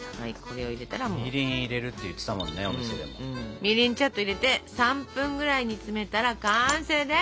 みりんちゃっと入れて３分ぐらい煮詰めたら完成です！